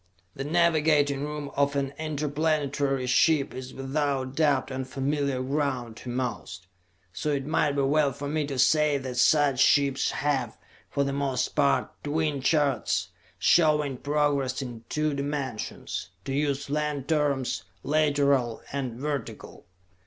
The navigating room of an interplanetary ship is without doubt unfamiliar ground to most, so it might be well for me to say that such ships have, for the most part, twin charts, showing progress in two dimensions; to use land terms, lateral and vertical.